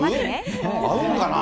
合うんかな？